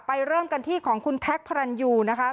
เริ่มกันที่ของคุณแท็กพระรันยูนะคะ